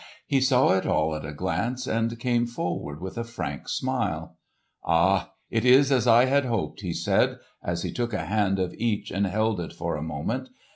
He saw it all at a glance and came forward with a frank smile. "Ah, it is as I had hoped!" he said, as he took a hand of each and held it for a moment.